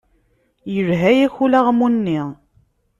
Yelha-yak ulaɣmu-nni.